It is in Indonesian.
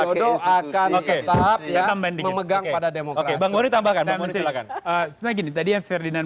akan oke tapi yang memegang pada demokrasi tambahkan silakan segini tadi yang ferdinand